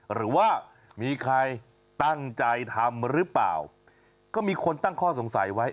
หรือว่ามีใครตั้งใจทำหรือเปล่าก็มีคนตั้งข้อสงสัยไว้